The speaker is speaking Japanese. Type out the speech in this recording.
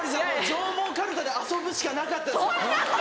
上毛かるたで遊ぶしかなかった。